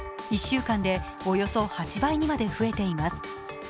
１週間でおよそ８倍にまで増えています。